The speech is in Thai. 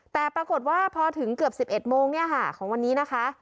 แต่ปรากฏว่าพอถึงเกือบ๑๑โมงเนี่ยค่ะของวันนี้นะคะ